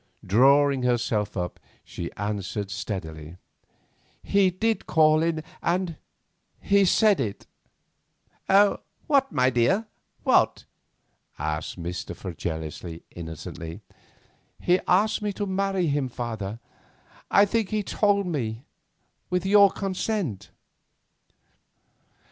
Drawing herself up, she answered steadily: "He did call in, and—he said it." "What, my dear, what?" asked Mr. Fregelius innocently. "He asked me to marry him, father; I think he told me with your consent."